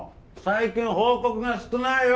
最近報告が少ないよ！